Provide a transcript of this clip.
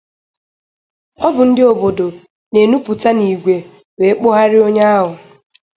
Ọ bụ ndị obodo na-enupụta n'ìgwè wee kpụgharịa onye ahụ.